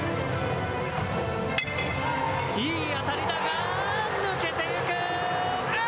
いい当たりだが抜けていく。